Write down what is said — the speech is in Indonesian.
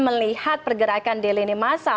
melihat pergerakan di lini masa